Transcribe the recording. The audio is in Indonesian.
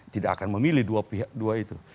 tidak akan memilih dua itu